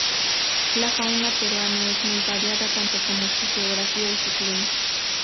La fauna peruana es muy variada, tanto como su geografía y su clima.